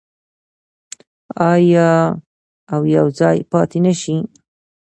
آیا او یوځای پاتې نشي؟